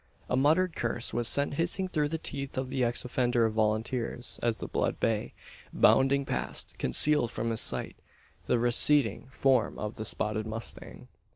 A muttered curse was sent hissing through the teeth of the ex officer of volunteers, as the blood bay, bounding past, concealed from his sight the receding form of the spotted mustang.